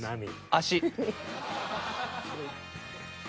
足。